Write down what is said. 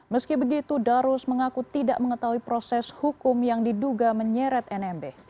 meski begitu darus mengaku tidak mengetahui proses hukum yang diduga menyeret nmb